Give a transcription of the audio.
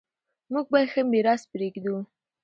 موږ باید ښه میراث پریږدو.